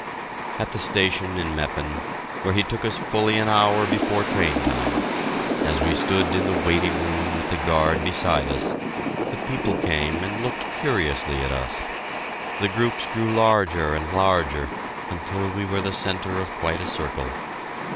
At the station in Meppen, where he took us fully an hour before train time, as we stood in the waiting room with the guard beside us, the people came and looked curiously at us. The groups grew larger and larger, until we were the centre of quite a circle.